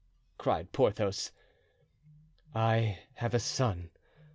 cried Porthos. "I have a son.